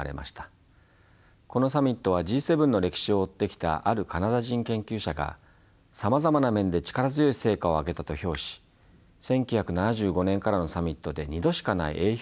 このサミットはＧ７の歴史を追ってきたあるカナダ人研究者が「さまざまな面で力強い成果を上げた」と評し１９７５年からのサミットで２度しかないＡ評価をつけたものであります。